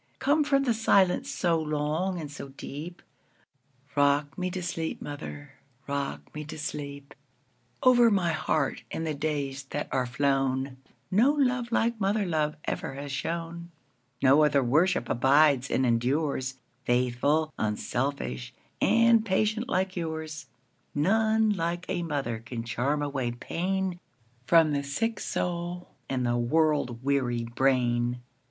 Come from the silence so long and so deep;—Rock me to sleep, mother,—rock me to sleep! Over my heart, in the days that are flown, No love like mother love ever has shone; No other worship abides and endures,—Faithful, unselfish, and patient like yours:None like a mother can charm away painFrom the sick soul and the world weary brain.